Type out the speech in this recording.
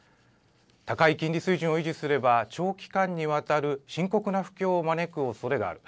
高い金利水準を維持すれば長期間にわたる深刻な不況を招くおそれがある。